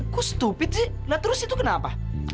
kok stupid sih nah terus itu kenapa